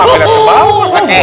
kenapa lihat ke bawah